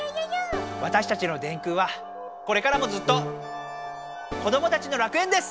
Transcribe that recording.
わたしたちの電空はこれからもずっと子どもたちの楽園です！